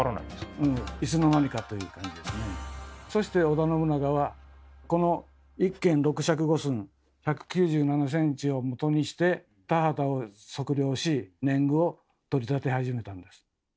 そして織田信長はこの１間６尺５寸１９７ｃｍをもとにして田畑を測量し年貢をとりたて始めたんです。